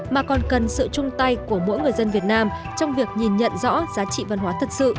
mà còn cần sự chung tay của mỗi người dân việt nam trong việc nhìn nhận rõ giá trị văn hóa thật sự